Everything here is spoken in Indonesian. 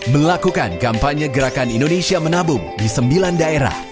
melakukan kampanye gerakan indonesia menabung di sembilan daerah